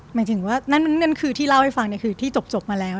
หมายถึงว่านั่นคือที่เล่าให้ฟังคือที่จบมาแล้ว